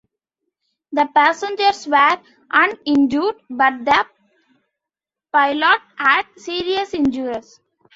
The passengers were uninjured but the pilot had serious injuries.